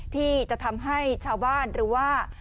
ที่จะทำให้ชาวบ้านหรือว่า